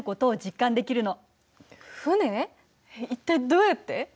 一体どうやって？